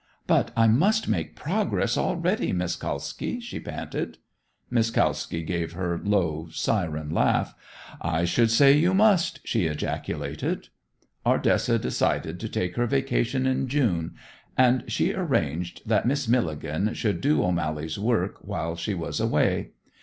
"But I must make progress already, Miss Kalski," she panted. Miss Kalski gave her low, siren laugh. "I should say you must!" she ejaculated. Ardessa decided to take her vacation in June, and she arranged that Miss Milligan should do O'Mally's work while she was away.